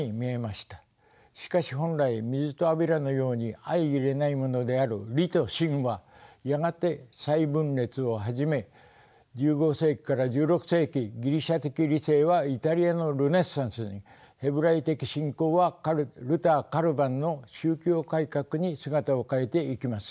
しかし本来水と油のように相いれないものである理と信はやがて再分裂を始め１５世紀から１６世紀ギリシャ的理性はイタリアのルネサンスにヘブライ的信仰はルター・カルヴァンの宗教改革に姿を変えていきます。